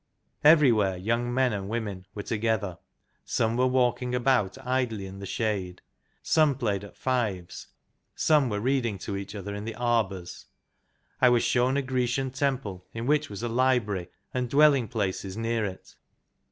Everywhere young men and women were together : some were walking about idly in the shade; some played at fives ; some were reading to each other in the arbours. I was shown a Grecian temple in which was a library, and dwelling places near it.